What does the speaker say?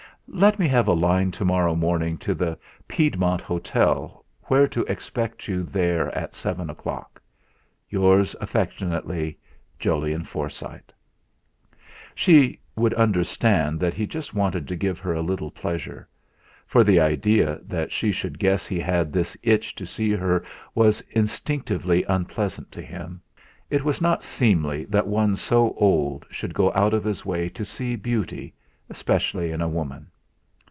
"Let me have a line to morrow morning to the Piedmont Hotel whether to expect you there at 7 o'clock." "Yours affectionately, "JOLYON FORSYTE." She would understand that he just wanted to give her a little pleasure; for the idea that she should guess he had this itch to see her was instinctively unpleasant to him; it was not seemly that one so old should go out of his way to see beauty, especially in a woman.